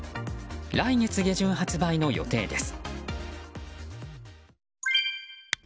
来月下旬発売の予定です。